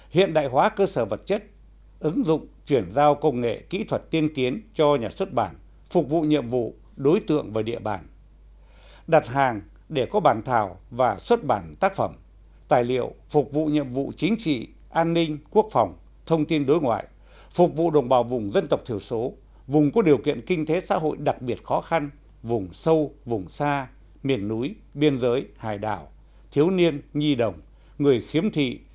hiện đại hóa cơ sở vật chất ứng dụng chuyển giao công nghệ kỹ thuật tiên tiến cho nhà xuất bản phục vụ nhiệm vụ đối tượng và địa bản đặt hàng để có bản thảo và xuất bản tác phẩm tài liệu phục vụ nhiệm vụ chính trị an ninh quốc phòng thông tin đối ngoại phục vụ đồng bào vùng dân tộc thiểu số vùng có điều kiện kinh tế xã hội đặc biệt khó khăn vùng sâu vùng xa miền núi biên giới hải đảo thiếu niên nhi đồng người khiếm thị